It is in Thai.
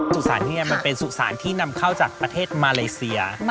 สุสานเนี่ยมันเป็นสุสานที่นำเข้าจากประเทศมาเลเซีย